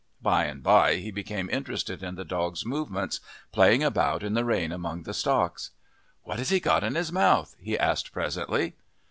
By and by he became interested in the dog's movements, playing about in the rain among the stocks. "What has he got in his mouth?" he asked presently.